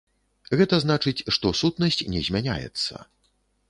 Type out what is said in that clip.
Гэта значыць, што сутнасць не змяняецца.